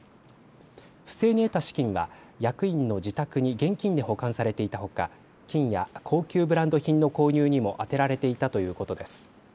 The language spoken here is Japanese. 不正に得た資金は役員の自宅に現金で保管されていたほか金や高級ブランド品の購入にも充てられていたということです。